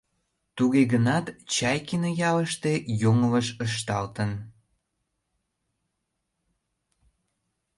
Туге гынат Чайкино ялыште йоҥылыш ышталтын.